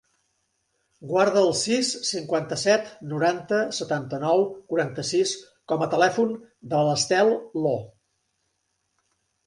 Guarda el sis, cinquanta-set, noranta, setanta-nou, quaranta-sis com a telèfon de l'Estel Lo.